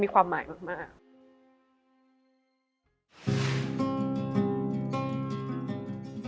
ความหมายมาก